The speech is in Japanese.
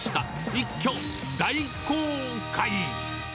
一挙大公開！